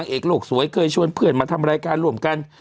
เอกโลกสวยเคยชวนเพื่อนมาทำรายการร่วมกัน